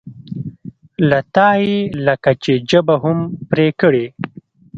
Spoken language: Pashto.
له تا یې لکه چې ژبه هم پرې کړې.